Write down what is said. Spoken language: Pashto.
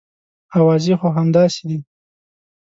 اوازې خو همداسې دي.